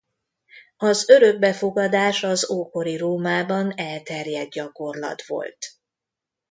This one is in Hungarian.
Az örökbefogadás az ókori Rómában elterjedt gyakorlat volt.